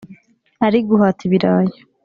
ari guhata ibirayi